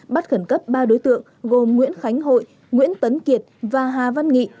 bắt khẩn cấp ba đối tượng gồm nguyễn khánh hội nguyễn tấn kiệt và hà văn nghị